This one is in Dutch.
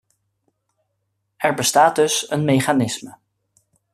Er bestaat dus een mechanisme.